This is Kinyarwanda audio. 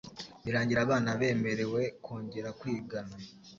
birangira abana bemerewe kongera kwigana